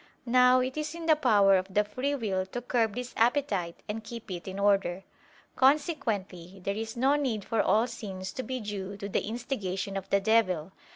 Now it is in the power of the free will to curb this appetite and keep it in order. Consequently there is no need for all sins to be due to the instigation of the devil.